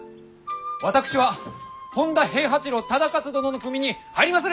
私は本多平八郎忠勝殿の組に入りまする！